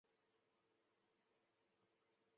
雷格尼茨洛绍是德国巴伐利亚州的一个市镇。